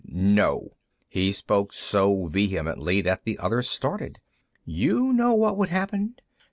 "No!" He spoke so vehemently that the others started. "You know what would happen?